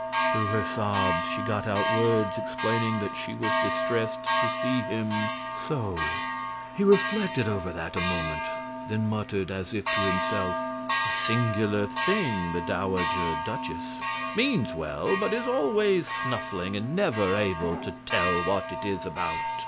Through her sobs she got out words explaining that she was distressed to see him "so." He reflected over that a moment, then muttered, as if to himself: "A singular old thing, the Dowager Duchess means well, but is always snuffling and never able to tell what it is about.